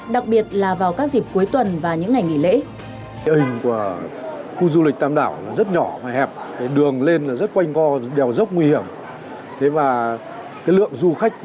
đặc biệt là vào các dịp cuối tuần và những ngày nghỉ lễ